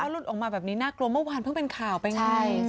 ร้องออกมาแบบนี้น่ากลมเมื่อวานเพิ่งเป็นข่าวมาอย่างงี้